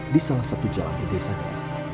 di salah satu jalan di desanya